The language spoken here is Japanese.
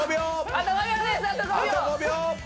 あと５秒！